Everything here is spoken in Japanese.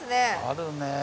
あるね。